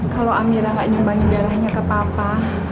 kalau amira tidak nyumbangi darahnya ke papa